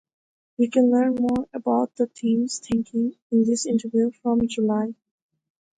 You can learn more about the team’s thinking in this interview from July.